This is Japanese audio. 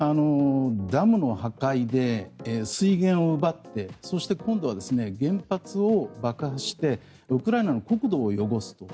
ダムの破壊で水源を奪ってそして今度は原発を爆破してウクライナの国土を汚すと。